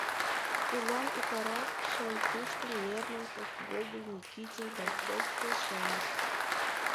Тудлан утларакше Пушкин, Лермонтов, Гоголь, Никитин, Кольцов келшеныт.